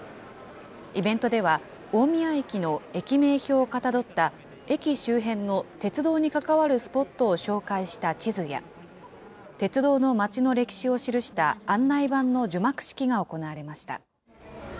イベントでは、大宮駅の駅名標をかたどった、駅周辺の鉄道に関わるスポットを紹介した地図や、鉄道のまちの歴史を記した案内板の除幕式が行われました。